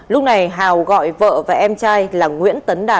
lúc này hào gọi vợ và em trai là nguyễn tấn đạt